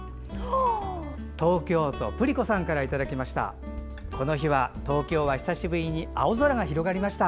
東京都、プリ子さんからいただきました。